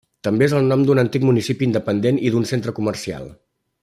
També és el nom d'un antic municipi independent i d'un centre comercial.